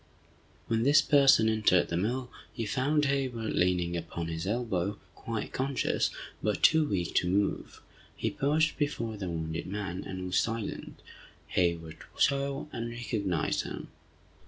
When this person entered the mill, he found Hayward leaning upon his elbow, quite conscious, but too weak to move. He paused before the wounded man, and was silent, Hayward saw, and recognized him.